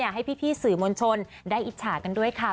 ให้พี่สื่อมวลชนได้อิจฉากันด้วยค่ะ